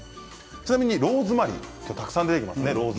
ちなみにローズマリー今日はたくさん出てきますね。